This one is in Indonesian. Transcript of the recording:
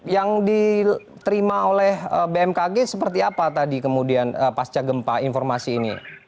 yang diterima oleh bmkg seperti apa tadi kemudian pasca gempa informasi ini